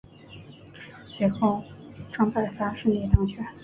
随后张百发顺利当选。